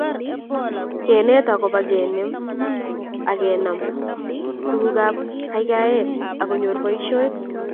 Kenet agobo kenem ak kenam tugukab kagaigaigaet akonyor boisiet